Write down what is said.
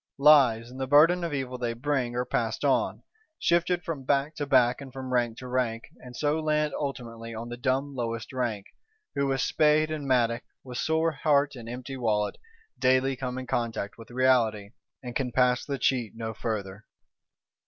Lies, and the burden of evil they bring, are passed on; shifted from back to back, and from rank to rank; and so land ultimately on the dumb lowest rank, who with spade and mattock, with sore heart and empty wallet, daily come in contact with reality, and can pass the cheat no further.